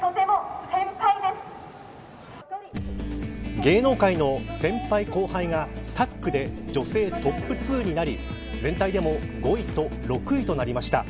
芸能界の先輩、後輩がタッグで女性トップ２になり全体でも５位と６位となりました。